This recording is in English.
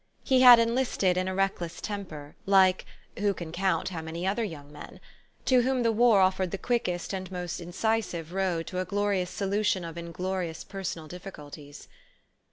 He had enlisted in a reckless temper, like who can count how many other young men ? to whom the war offered the quickest and most inci sive road to a glorious solution of inglorious per sonal difficulties.